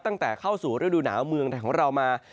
ตั้งแต่เข้าสู่ฤดูหนาวเมืองไทยของเรามา